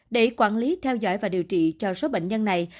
để quản lý theo dõi và điều trị cho số bệnh nhân này